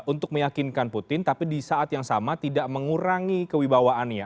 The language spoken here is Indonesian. untuk meyakinkan putin tapi di saat yang sama tidak mengurangi kewibawaannya